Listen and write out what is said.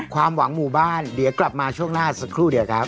ความหวังหมู่บ้านเดี๋ยวกลับมาช่วงหน้าสักครู่เดียวครับ